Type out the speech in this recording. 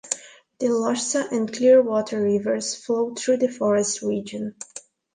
The Lochsa and Clearwater Rivers flow through the forest region.